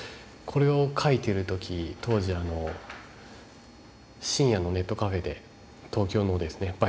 これを描いてる時当時深夜のネットカフェで東京のですね